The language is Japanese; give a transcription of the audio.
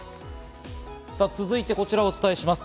続いて、こちらをお伝えします。